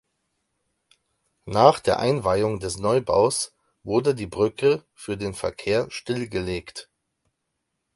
Nach der Einweihung des Neubaus wurde die Brücke für den Verkehr stillgelegt.